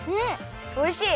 おいしい！